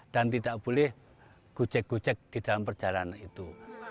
dan tidak boleh gucek gucek di dalam perjalanan itu